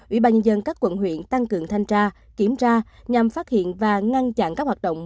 ủy ban nhân các quận huyện tăng cường thanh tra kiểm tra nhằm phát hiện và ngăn chặn các hoạt động